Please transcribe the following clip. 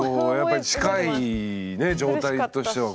やっぱり近いね状態としてはこうね。